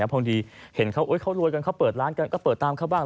พอดีเห็นเขารวยกันเขาเปิดร้านกันก็เปิดตามเขาบ้าง